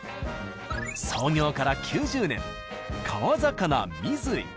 創業から９０年「川魚水井」。